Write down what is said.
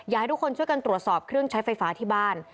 ให้ทุกคนช่วยกันตรวจสอบเครื่องใช้ไฟฟ้าที่บ้าน